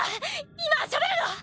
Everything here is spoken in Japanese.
今はしゃべるな！